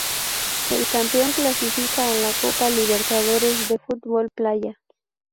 El campeón clasifica a la Copa Libertadores de fútbol playa.